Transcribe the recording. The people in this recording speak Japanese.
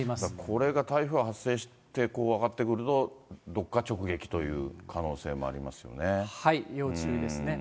これが台風発生して上がってくると、どっか直撃という可能性要注意ですよね。